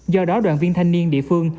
do đó đoàn viên thanh niên địa phương